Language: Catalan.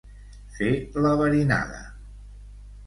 Fer la verinada.